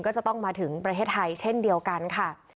ก็จะต้องมาถึงประเทศไทยเช่นเดียวกันค่ะ